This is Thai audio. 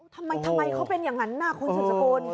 ทำไมเขาเป็นอย่างนั้นคุณสุดสกุล